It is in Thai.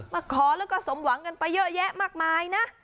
มาขอแล้วก็สมหวังกันไปเยอะแยะมากมายนะ